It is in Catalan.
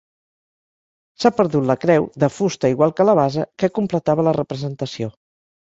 S'ha perdut la creu, de fusta igual que la base, que completava la representació.